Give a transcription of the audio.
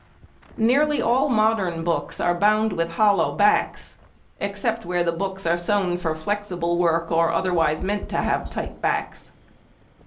Nearly all modern books are bound with hollow backs, except where the books are sewn for flexible work or otherwise meant to have tight backs.